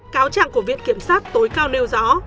cáo trạng của viện kiểm sát tối cao nêu rõ